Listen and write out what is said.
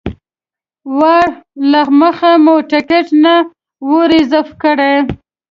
وار له مخه مو ټکټ نه و ریزرف کړی.